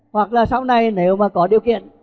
hoặc là sau này nếu mà có điều kiện